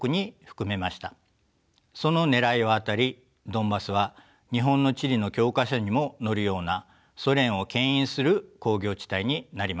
そのねらいは当たりドンバスは日本の地理の教科書にも載るようなソ連をけん引する工業地帯になりました。